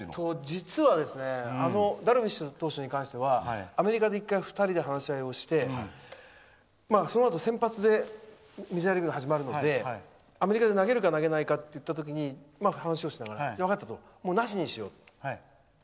実はですねダルビッシュ投手に関してはアメリカで１回、２人で話をしてそのあと先発でメジャーリーグが始まるのでアメリカで投げるか投げないかっていった時に、話をしながら分かった、なしにしようと。